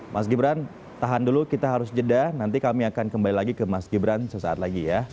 mas gibran tahan dulu kita harus jeda nanti kami akan kembali lagi ke mas gibran sesaat lagi ya